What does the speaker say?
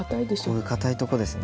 こういう硬いとこですね。